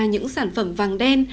những sản phẩm vàng đen